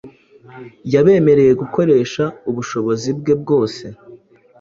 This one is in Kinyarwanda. yabemereye gukoresha ubushobozi bwe bwose